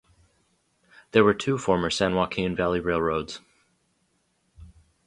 There were two former San Joaquin Valley Railroads.